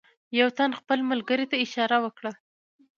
یوه تن خپل ملګري ته اشاره وکړه.